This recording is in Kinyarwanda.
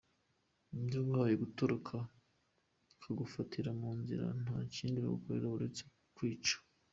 Iyo wihaye gutoroka bakagufatira mu nzira nta kindi bagukorera uretse kukwica.